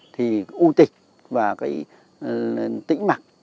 thì ưu tịch và tĩnh mặt